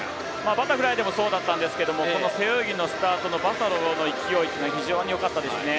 バタフライでもそうでしたが背泳ぎのスタートのバサロの勢い非常によかったですね。